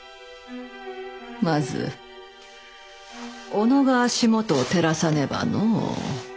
まずおのが足元を照らさねばのう。